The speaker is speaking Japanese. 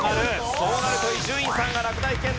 そうなると伊集院さんが落第圏内。